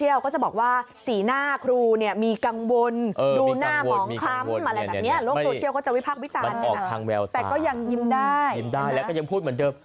ยิ้มได้แล้วก็ยิ้มพูดเหมือนเดิม